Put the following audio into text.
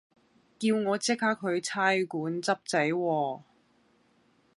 叫我即刻去差館執仔喎